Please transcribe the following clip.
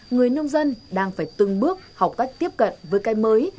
người nông dân đang phải từng bước học cách tiếp cận với cây mới